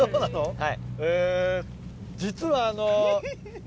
はい。